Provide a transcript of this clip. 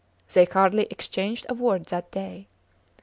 They hardly exchanged a word that day.